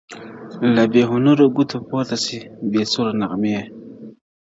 له بې هنرو ګوتو پورته سي بې سوره نغمې-